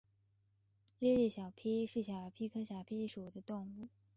伊犁小檗是小檗科小檗属的植物。